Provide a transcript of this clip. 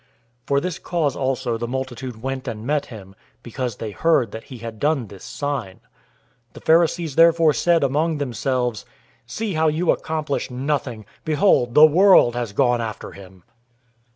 012:018 For this cause also the multitude went and met him, because they heard that he had done this sign. 012:019 The Pharisees therefore said among themselves, "See how you accomplish nothing. Behold, the world has gone after him."